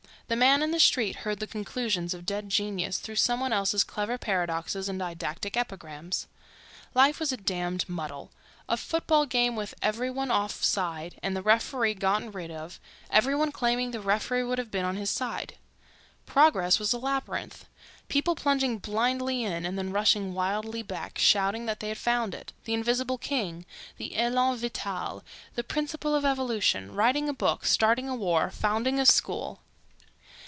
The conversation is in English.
The man in the street heard the conclusions of dead genius through some one else's clever paradoxes and didactic epigrams. Life was a damned muddle... a football game with every one off side and the referee gotten rid of—every one claiming the referee would have been on his side.... Progress was a labyrinth... people plunging blindly in and then rushing wildly back, shouting that they had found it... the invisible king—the elan vital—the principle of evolution... writing a book, starting a war, founding a school....